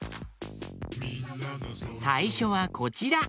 さいしょはこちら！